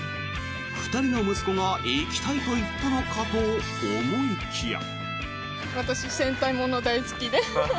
２人の息子が行きたいと言ったのかと思いきや。